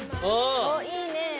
おっいいね。